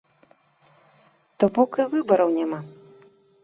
То бок, і выбараў няма.